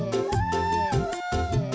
kau bagai kerikim